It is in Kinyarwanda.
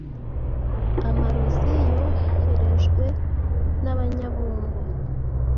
amarozi yoherejwe n’Abanyabungo,